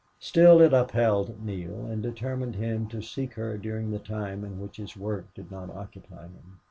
Still, it upheld Neale and determined him to seek her during the time in which his work did not occupy him.